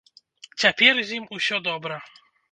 Цяпер з ім усё добра.